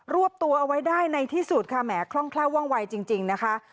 วบตัวเอาไว้ได้ในที่สุดค่ะแหมคล่องแคล่วว่องวัยจริงนะคะ